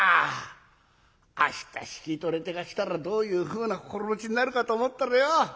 明日引き取り手が来たらどういうふうな心持ちになるかと思ったらよ